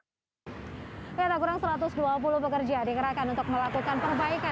tidak kurang satu ratus dua puluh pekerja dikerahkan untuk melakukan perbaikan